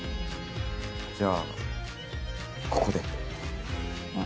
じゃあここで。